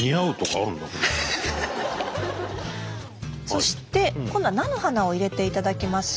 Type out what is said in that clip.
そして今度は菜の花を入れていただきます。